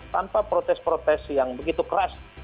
tanpa protes protes yang begitu keras